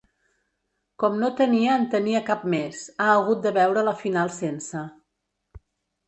Com no tenia en tenia cap més, ha hagut de veure la final sense.